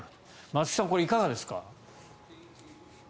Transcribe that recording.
松木さん、これはいかがですか？